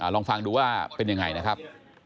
ลองฟังดูว่าเป็นยังไงนะครับ